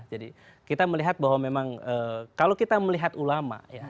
jadi kita melihat bahwa memang kalau kita melihat ulama ya